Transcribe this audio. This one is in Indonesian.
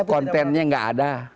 kontennya enggak ada